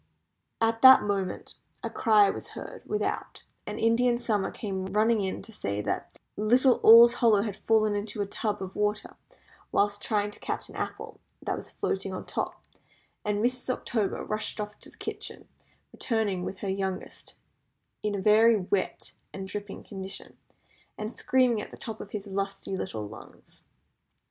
At that moment a cry was heard without, and Indian Summer came running in to say that little All Hallows had fallen into a tub of water while trying to catch an apple that was floating on top, and Mrs. October, rushing off to the kitchen, returned with her youngest in a very wet and dripping condition, and screaming at the top of his lusty little lungs.